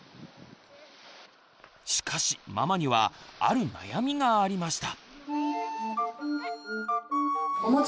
しかしママにはある悩みがありました。